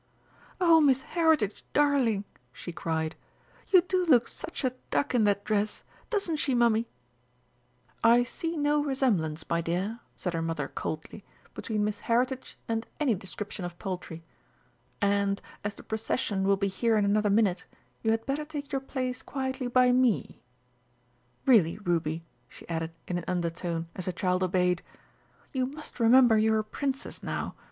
"Oh, Miss Heritage, darling," she cried, "you do look such a duck in that dress doesn't she, Mummy?" "I see no resemblance, my dear," said her mother coldly, "between Miss Heritage and any description of poultry. And, as the procession will be here in another minute, you had better take your place quietly by me.... Really, Ruby," she added in an undertone, as the child obeyed, "you must remember you're a Princess now.